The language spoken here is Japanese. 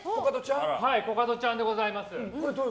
コカドちゃんでございます。